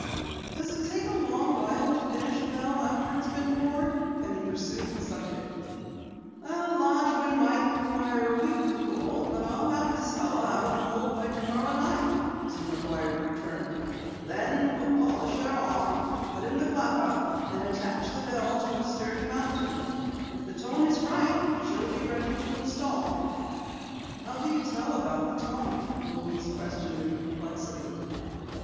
"Does it take a long while to finish a bell after it's been poured?" Penny pursued the subject. "A large one may require a week to cool, but I'll have this fellow out of the mold by tomorrow night," Mr. McGuire returned. "Then we'll polish her off, put in the clapper, and attach the bell to a sturdy mounting. If the tone is right, she'll be ready to install." "How do you tell about the tone?" Louise questioned in perplexity.